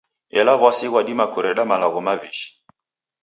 Ela w'asi ghwadima kureda malagho maw'ishi.